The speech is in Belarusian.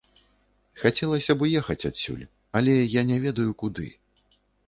Хацелася б уехаць адсюль, але я не ведаю куды.